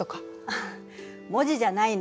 あっ文字じゃないの。